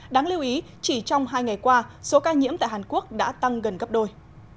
đáng lưu ý chỉ trong hai ngày qua số ca nhiễm tại hàn quốc đã tăng gần gấp đôi